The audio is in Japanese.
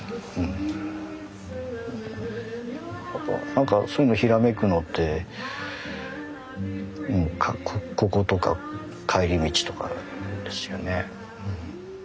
なんかそういうのひらめくのってこことか帰り道とかですよね。